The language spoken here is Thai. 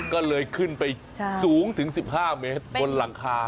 ก็เลยขึ้นไปสูงถึง๑๕เมตรบนหลังคา